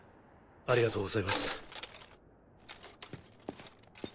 ありがとうございます。